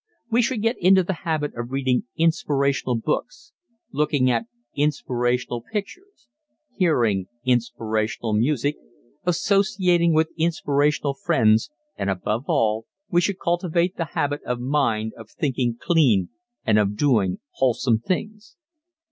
We should get into the habit of reading inspirational books, looking at inspirational pictures, hearing inspirational music, associating with inspirational friends and above all, we should cultivate the habit of mind of thinking clean, and of doing, wholesome things.